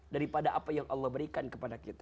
daripada apa yang allah berikan kepada kita